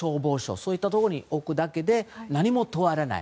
そういったところに置くだけで何も問われない。